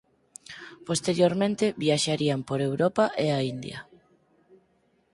Posteriormente viaxarían por Europa e a India.